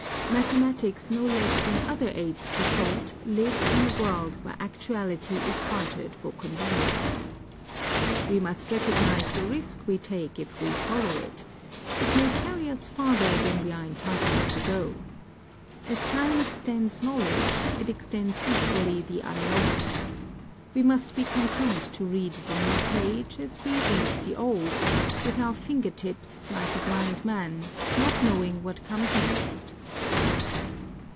Mathe matics no less than other aids to thought lives in a world where actuality is bartered for convenience. We must recognize the risk we take if we follow it ; it may carry us farther than we are entitled to go. As time extends knowledge, it extends equally the unknown. We must be content to read the new page, as we read the old, with our finger tips, like a blind man, not knowing what comes next.